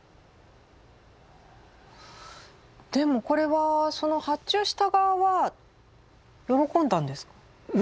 でもこれはその発注した側は喜んだんです？